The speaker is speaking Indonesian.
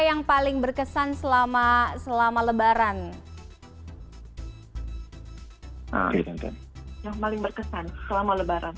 yang paling berkesan selama selama lebaran hai nah itu yang paling berkesan selama lebaran